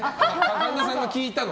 神田さんが聞いたの。